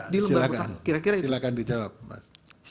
di lembar pertama kira kira itu silakan dijawab mas